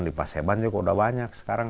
di paseban juga udah banyak sekarang